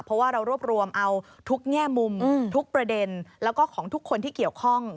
เพราะว่าเรารวบรวมเอาทุกแง่มุมทุกประเด็นแล้วก็ของทุกคนที่เกี่ยวข้อง